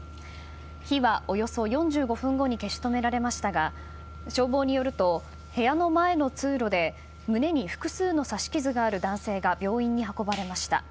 火はおよそ４５分後に消し止められましたが消防によると、部屋の前の通路で胸に複数の刺し傷がある男性が病院に運ばれました。